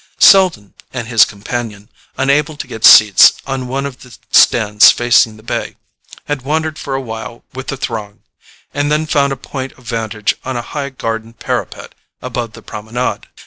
Selden and his companion, unable to get seats on one of the stands facing the bay, had wandered for a while with the throng, and then found a point of vantage on a high garden parapet above the Promenade.